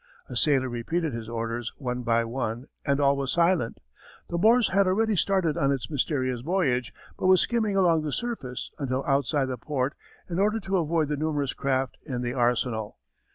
A sailor repeated his orders one by one, and all was silent. The Morse had already started on its mysterious voyage, but was skimming along the surface until outside the port in order to avoid the numerous craft in the Arsenal.